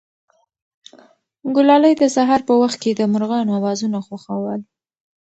ګلالۍ د سهار په وخت کې د مرغانو اوازونه خوښول.